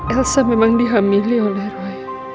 elsa memang dihamili oleh roy